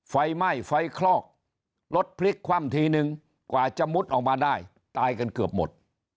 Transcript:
ไฟไหม้ไฟคลอกรถพลิกคว่ำทีนึงกว่าจะมุดออกมาได้ตายกันเกือบหมด